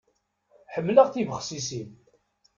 Ḥemmleɣ tibexsisin.